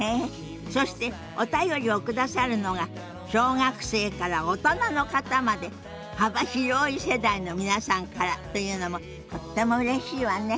そしてお便りを下さるのが小学生から大人の方まで幅広い世代の皆さんからというのもとってもうれしいわね。